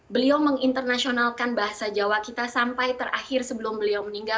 beliau menginternasionalkan bahasa jawa kita sampai terakhir sebelum beliau meninggal